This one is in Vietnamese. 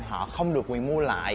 họ không được quyền mua lại